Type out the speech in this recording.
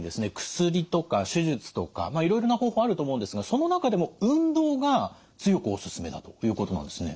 薬とか手術とかいろいろな方法あると思うんですがその中でも運動が強くおすすめだということなんですね。